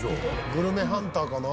「グルメハンターかな？